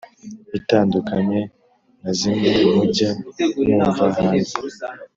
itandukanye nazimwe mujya mwumva hanze